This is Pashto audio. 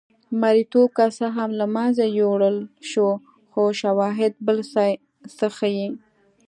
مریتوب که څه هم له منځه یووړل شو خو شواهد بل څه ښيي.